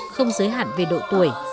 không giới hạn về độ tuổi